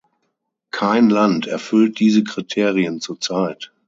Kein Land erfüllt diese Kriterien zur Zeit.